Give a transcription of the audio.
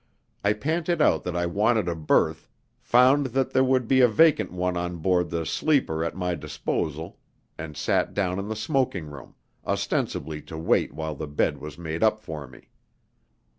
I panted out that I wanted a berth, found that there would be a vacant one on board the "sleeper" at my disposal, and sat down in the smoking room, ostensibly to wait while the bed was made up for me.